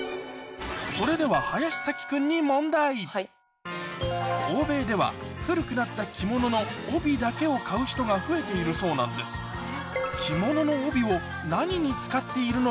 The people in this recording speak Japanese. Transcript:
それでは林咲希君に欧米では古くなった着物の帯だけを買う人が増えているそうなんですたぶん。